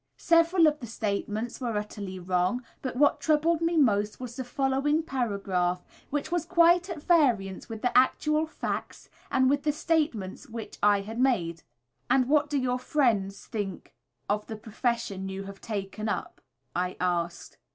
Several of the statements were utterly wrong, but what troubled me most was the following paragraph, which was quite at variance with the actual facts, and with the statements which I had made: "And what do your friends think of the profession you have taken up?" I asked.